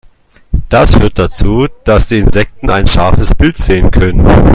Das führt dazu, dass die Insekten ein scharfes Bild sehen können.